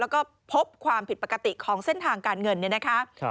แล้วก็พบความผิดปกติของเส้นทางการเงินเนี่ยนะคะ